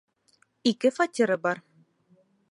Ике фатиры бар.